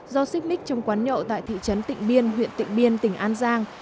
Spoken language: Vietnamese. do xích mít trong quán nhậu tại thị trấn tịnh biên huyện tịnh biên tỉnh an giang